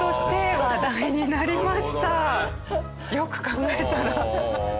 よく考えたら。